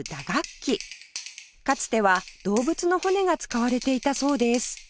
かつては動物の骨が使われていたそうです